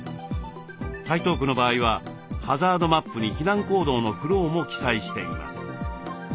台東区の場合はハザードマップに避難行動のフローも記載しています。